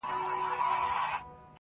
دې لېوني ماحول کي ووايه؛ پر چا مئين يم~